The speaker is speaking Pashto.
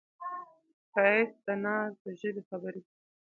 ښایست د ناز د ژبې خبرې کوي